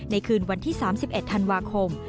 คืนวันที่๓๑ธันวาคม